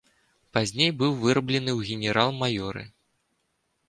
Пазней быў выраблены ў генерал-маёры.